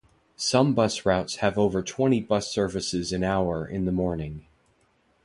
Some bus routes have over twenty bus services an hour in the morning.